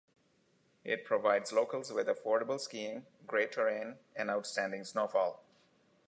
It provides locals with affordable skiing, great terrain and outstanding snowfall.